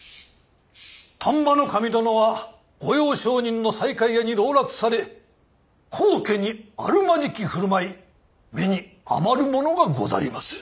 丹波守殿は御用商人の西海屋に籠絡され高家にあるまじき振る舞い目に余るものがござりまする。